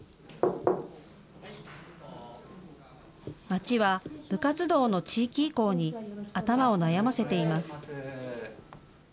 町は部活動の地域移行に頭を悩ませています。